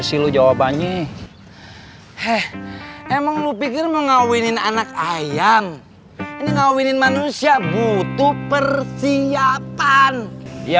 sih lu jawabannya eh emang lu pikir mengawinin anak ayam ngawinin manusia butuh persiapan ya